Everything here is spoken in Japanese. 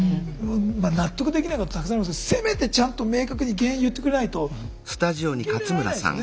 納得できないことたくさんありますけどせめてちゃんと明確に原因言ってくれないと受け入れられないですよね